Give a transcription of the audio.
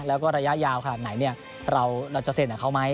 แล้วก็ระยะยาวขนาดไหนเราจะเซ็นกับเขาไหม